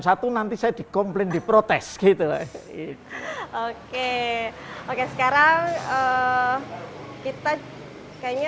satu nanti saya dikomplain di protes gitu oke oke sekarang kita kayaknya